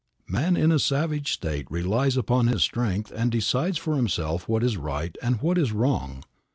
Man in a savage state relies upon his strength, and decides for himself what is right and what is wrong.